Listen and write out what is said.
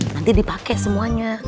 nanti dipake semuanya